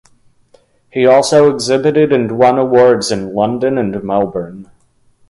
He also exhibited and won awards in London and Melbourne.